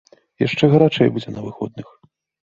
Яшчэ гарачэй будзе на выходных.